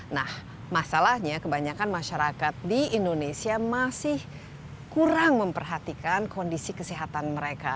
nah masalahnya kebanyakan masyarakat di indonesia masih kurang memperhatikan kondisi kesehatan mereka